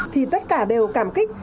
thì tất cả đều cảm kích